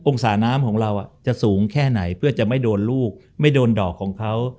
ศาน้ำของเราจะสูงแค่ไหนเพื่อจะไม่โดนลูกไม่โดนดอกของเขา